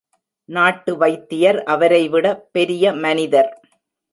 நாட்டு வைத்தியர் அவரைவிட பெரிய மனிதர்.